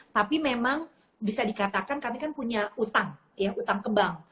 tapi memang bisa dikatakan kami kan punya utang ya utang ke bank